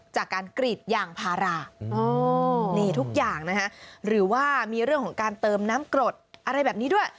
จากการกรีดยางพารานี่ทุกอย่างนะฮะหรือว่ามีเรื่องของการเติมน้ำกรดอะไรแบบนี้ด้วย